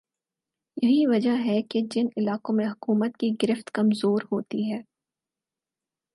یہی وجہ ہے کہ جن علاقوں میں حکومت کی گرفت کمزور ہوتی ہے